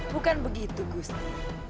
bukan begitu gusti